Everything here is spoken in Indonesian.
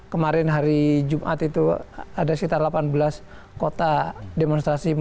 kemarin hari jumat itu ada sekitar delapan belas kota demonstrasi